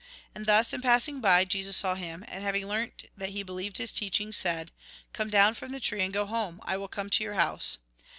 And thus, in passing by, Jesus saw him, and having learnt that he believed his teaching, said :" Come down from the tree, and go home ; I will come to youi house."